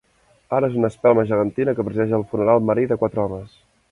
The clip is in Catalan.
Ara és una espelma gegantina que presideix el funeral marí de quatre homes.